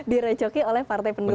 direcoki oleh partai pendukung